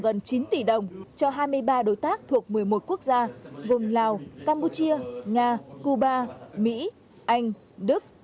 gần chín tỷ đồng cho hai mươi ba đối tác thuộc một mươi một quốc gia gồm lào campuchia nga cuba mỹ anh đức